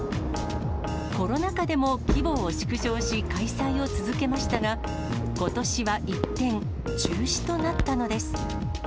コロナ禍でも規模を縮小し、開催を続けましたが、ことしは一転、中止となったのです。